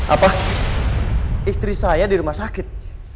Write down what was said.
apa istri saya di rumah sakit